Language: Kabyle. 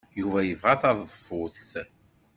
Yuba yebɣa taḍeffut.